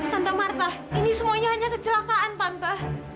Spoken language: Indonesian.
tante marta ini semuanya hanya kecelakaan tante